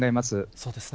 そうですね。